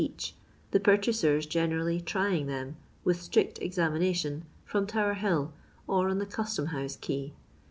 each, the purchasers generally trying " them, with strict examination, from Tower Hill, or on the Gustom House Quay.